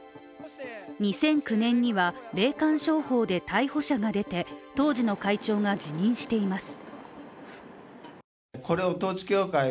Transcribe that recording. ２００９年には霊感商法で逮捕者が出て当時の会長が辞任しています。